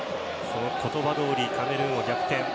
その言葉どおりカメルーンを逆転。